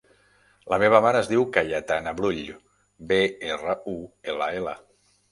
La meva mare es diu Cayetana Brull: be, erra, u, ela, ela.